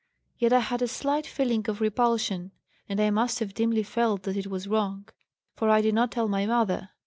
Yet I had a slight feeling of repulsion, and I must have dimly felt that it was wrong, for I did not tell my mother.